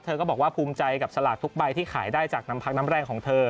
ก็บอกว่าภูมิใจกับสลากทุกใบที่ขายได้จากน้ำพักน้ำแรงของเธอ